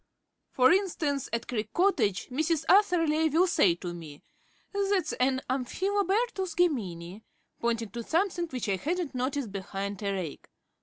For instance, at Creek Cottage, Mrs. Atherley will say to me, "That's an Amphilobertus Gemini," pointing to something which I hadn't noticed behind a rake.